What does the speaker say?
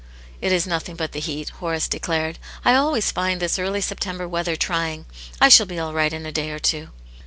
" It is nothing but the heat," Horace declared *' I always find this early September weather trying; I shall be all right in a day or two."